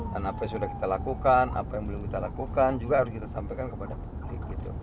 dan apa yang sudah kita lakukan apa yang belum kita lakukan juga harus kita sampaikan kepada publik